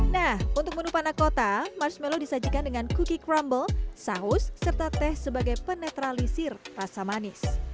nah untuk menu panah kota marshmallow disajikan dengan cookie crumble saus serta teh sebagai penetralisir rasa manis